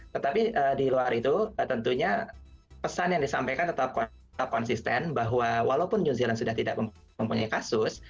tetapi di luar itu tentunya pesan yang disampaikan tetap konsisten bahwa walaupun new zealand sudah tidak mempunyai kasus